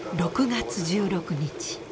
６月１６日。